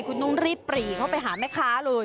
คุณต้องรีบปรีเข้าไปหาแม่ค้าเลย